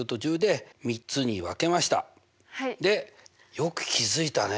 よく気付いたね。